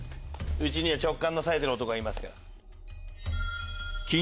うちには直感のさえてる男がいますから。